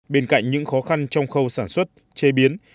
bên cạnh những khó khăn trong khâu sản xuất chế biến